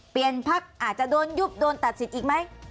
พักอาจจะโดนยุบโดนตัดสิทธิ์อีกไหม